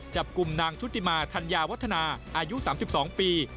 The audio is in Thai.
จับกลุ่มนางชุติมาธัญญาวัฒนาอายุ๓๒ปี